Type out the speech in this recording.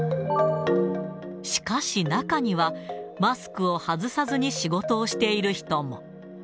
しかし、中にはマスクを外さずに仕事をしている人も。